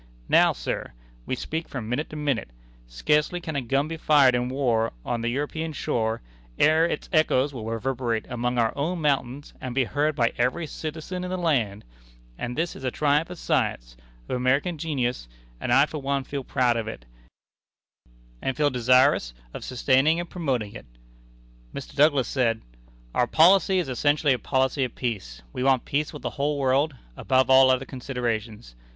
Now, Sir, we speak from minute to minute. Scarcely can a gun be fired in war on the European shore ere its echoes will reverberate among our own mountains, and be heard by every citizen in the land. All this is a triumph of science of American genius, and I for one feel proud of it, and feel desirous of sustaining and promoting it." Mr. Douglas said: "Our policy is essentially a policy of peace. We want peace with the whole world, above all other considerations.